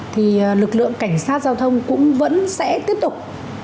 thì lực lượng cảnh sát giao thông cũng vẫn sẽ tiếp tục